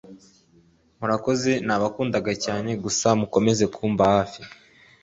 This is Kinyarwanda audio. murakoze nabakundagacyane gusa mukomeze kumba hafi